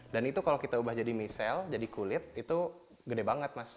dan itu kalau kita ubah jadi misel jadi kulit itu gede banget mas